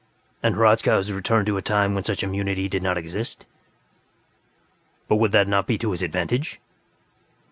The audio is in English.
"And Hradzka has returned to a time when such immunity did not exist? But would that not be to his advantage?"